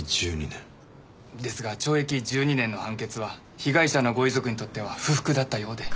ですが懲役１２年の判決は被害者のご遺族にとっては不服だったようで。